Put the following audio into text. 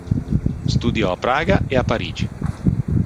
Studiò a Praga e a Parigi.